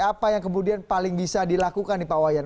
apa yang kemudian paling bisa dilakukan nih pak wayan